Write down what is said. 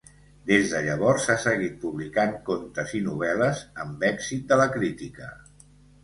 Des de llavors ha seguit publicant contes i novel·les, amb èxit de la crítica.